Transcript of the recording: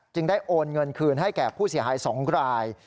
ได้โอนเงินคืนให้แก่ผู้เสียหาย๒ราย